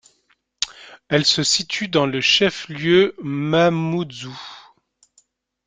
Elle se situe dans le chef-lieu, Mamoudzou.